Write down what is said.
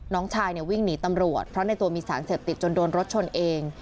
น้องชายเนี่ยวิ่งหนีตำรวจเพราะในตัวมีสารเสพติดจนโดนรถชนเอง